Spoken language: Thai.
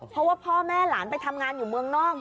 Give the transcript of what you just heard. เพราะว่าพ่อแม่หลานไปทำงานอยู่เมืองนอก